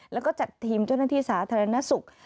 แล้วก็จัดทีมเจ้าหน้าที่สาธารณสุข